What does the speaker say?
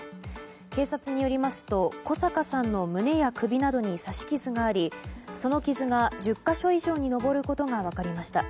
警察によりますと小阪さんの胸や首などに刺し傷がありその傷が１０か所以上に上ることが分かりました。